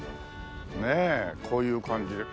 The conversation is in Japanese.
ねえこういう感じで。